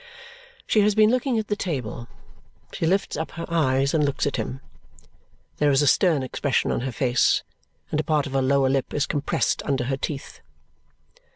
She has been looking at the table. She lifts up her eyes and looks at him. There is a stern expression on her face and a part of her lower lip is compressed under her teeth.